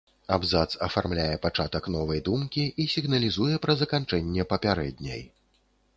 Абзац афармляе пачатак новай думкі і сігналізуе пра заканчэнне папярэдняй.